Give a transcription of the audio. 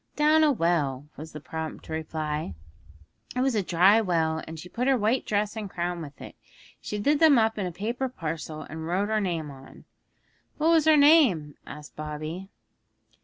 'Down a well,' was the prompt reply. 'It was a dry well, and she put her white dress and crown with it; she did them up in a paper parcel, and wrote her name on.' 'What was her name?' asked Bobby.